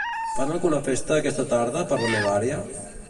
Fan alguna festa aquesta tarda per la meva àrea?